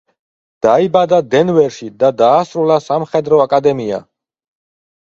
დაიბადა დენვერში და დაასრულა სამხედრო აკადემია.